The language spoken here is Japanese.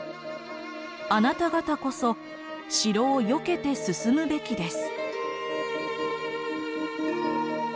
あなた方こそ城をよけて進むべきです」。